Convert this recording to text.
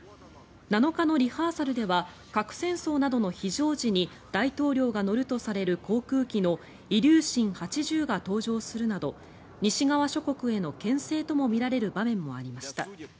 ７日のリハーサルでは核戦争などの非常時に大統領が乗るとされる航空機のイリューシン８０が登場するなど西側諸国へのけん制ともみられる場面もありました。